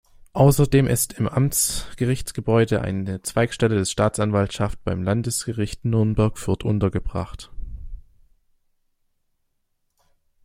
Außerdem ist im Amtsgerichtsgebäude eine Zweigstelle der Staatsanwaltschaft beim Landgericht Nürnberg-Fürth untergebracht.